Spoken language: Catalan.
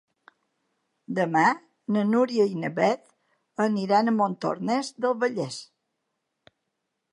Demà na Núria i na Beth aniran a Montornès del Vallès.